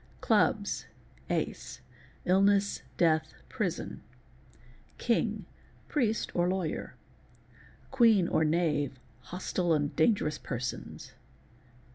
CiuBs.—Ace—uillness, death, prison. King—priest, or lawyer. Queen or Knave—hostile and dangerous persons.